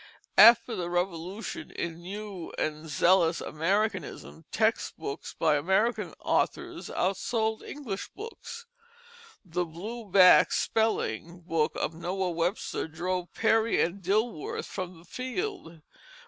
After the Revolution, in new and zealous Americanism, text books by American authors outsold English books. The blue backed spelling book of Noah Webster drove Perry and Dilworth from the field.